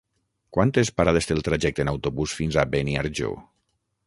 Quantes parades té el trajecte en autobús fins a Beniarjó?